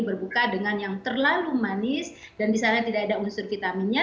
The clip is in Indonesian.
berbuka dengan yang terlalu manis dan di sana tidak ada unsur vitaminnya